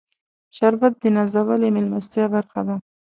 شربت د نازولې میلمستیا برخه ده